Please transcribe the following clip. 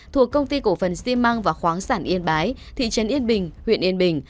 thuộc công ty cổ phần xi măng và khoáng sản yên bái thị trấn yên bình huyện yên bình